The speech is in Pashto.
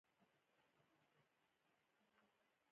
ګډ يا مخلوط ټابليټونه: